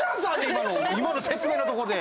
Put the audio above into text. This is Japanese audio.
今の今の説明のとこで！